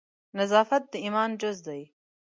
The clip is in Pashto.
نظافت د ایمان جزء دی.